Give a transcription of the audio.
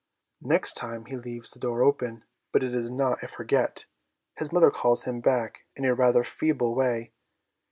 Next time he leaves the door open, but it is not a 'forget/ His mother calls him back in a rather feeble way.